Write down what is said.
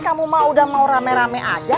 kamu mah sudah mau ramai ramai saja